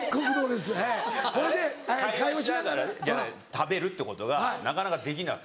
食べるってことがなかなかできなくて。